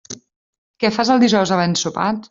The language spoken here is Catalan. Què fas els dijous havent sopat?